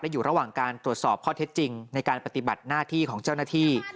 อยู่ระหว่างการตรวจสอบข้อเท็จจริงในการปฏิบัติหน้าที่ของเจ้าหน้าที่